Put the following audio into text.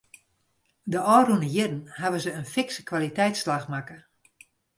De ôfrûne jierren hawwe se in fikse kwaliteitsslach makke.